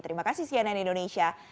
terima kasih cnn indonesia